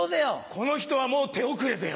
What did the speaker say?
この人はもう手遅れぜよ。